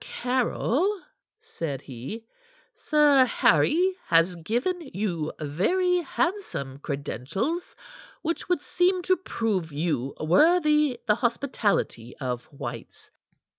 Caryll," said he, "Sir Harry has given you very handsome credentials, which would seem to prove you worthy the hospitality of White's.